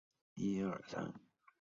子必不免。